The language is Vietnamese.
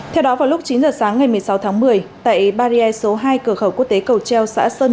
theo đó vào lúc chín giờ sáng ngày một mươi sáu tháng một mươi tại barrier số hai cửa khẩu quốc tế cầu treo xã sơn